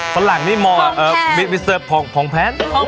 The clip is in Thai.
ตอนหลังนี่มอเอ่อมิสเซอร์ฟพองพองแพ้น